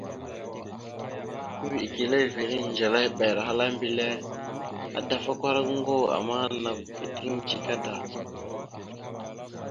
Embədekerrevere ndzelehɓer ahala mbelle: « Adafakwara goŋgo, ama nakw « keeteŋ dzika da. ».